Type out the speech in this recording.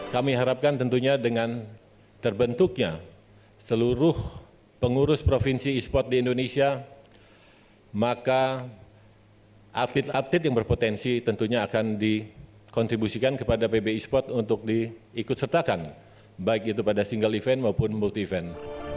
kami harapkan tentunya dengan terbentuknya seluruh pengurus provinsi e sport di indonesia maka atlet atlet yang berpotensi tentunya akan dikontribusikan kepada pb e sport untuk diikut sertakan baik itu pada single event maupun multi event